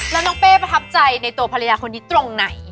แล้วน้องเป้ประทับใจในตัวภรรยาคนนี้ตรงไหน